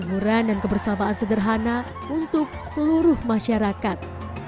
kemuran dan kebersamaan sederhana untuk seluruh masyarakat